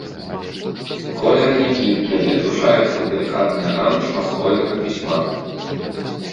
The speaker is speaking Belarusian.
Колеры някідкія і злучаюцца ў далікатныя гамы шматслойнага пісьма.